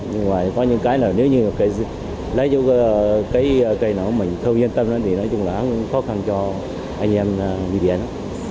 nhưng mà có những cái là nếu như cây xăng lấy chỗ cây nào mình không yên tâm thì nói chung là khó khăn cho anh em đi điện đó